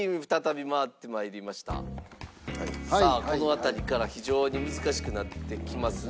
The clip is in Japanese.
さあこの辺りから非常に難しくなってきますね。